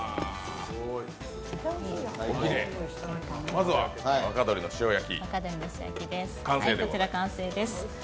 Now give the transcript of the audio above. まずは若鶏の塩焼き、完成です。